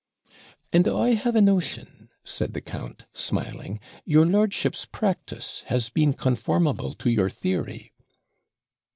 'And I have a notion,' said the count, smiling, 'your lordship's practice has been conformable to your theory.'